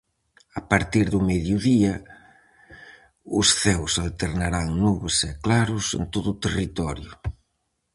A partir do mediodía os ceos alternarán nubes e claros en todo o territorio.